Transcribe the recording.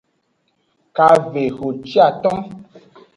Kavehociaton.